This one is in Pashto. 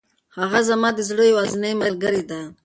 هغه زما د زړه یوازینۍ ملګرې ده.